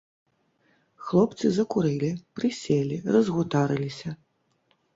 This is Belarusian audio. Хлопцы закурылі, прыселі, разгутарыліся.